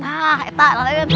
nah etak raden